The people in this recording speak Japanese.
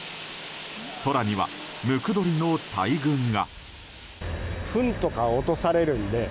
空には、ムクドリの大群が。